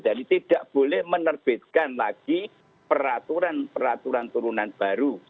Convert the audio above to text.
jadi tidak boleh menerbitkan lagi peraturan peraturan turunan baru